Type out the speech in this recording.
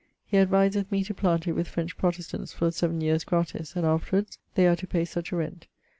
He adviseth me to plant it with French protestants for seaven yeares gratis and afterwards to pay such a rent.